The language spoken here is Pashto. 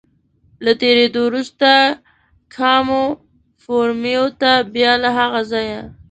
له تېرېدو وروسته کاموفورمیو ته، بیا له هغه ځایه.